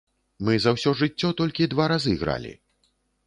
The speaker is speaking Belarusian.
Мы за ўсё жыццё толькі два разы гралі.